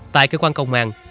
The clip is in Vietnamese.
tại cơ quan công an